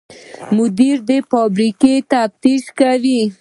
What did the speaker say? مدیر د فابریکې تفتیش کوي.